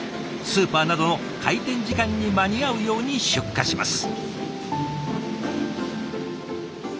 スーパーなどの開店時間に間に合うように出荷します。